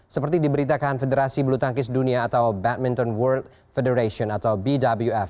seperti diberitakan federasi bulu tangkis dunia atau badminton world federation atau bwf